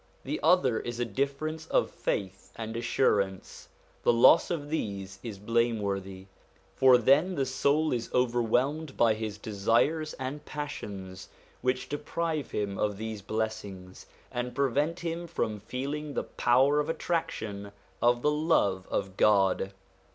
The other is a difference of faith and assurance ; the loss of these is blameworthy ; for then the soul is overwhelmed by his desires and passions, which deprive him of these blessings and prevent him from feeling the power of attraction of the love of God.